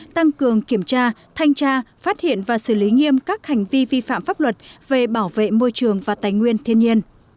tăng cường kiểm tra thanh tra phát hiện và xử lý nghiêm các hành vi vi phạm pháp luật về bảo vệ môi trường và tài nguyên thiên nhiên